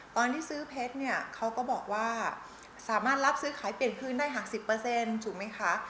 ตอนที่ซื้อเพชรเนี่ยเขาก็บอกว่าสามารถรับซื้อขายเปลี่ยนคืนได้หาก๑๐ถูกไหมคะ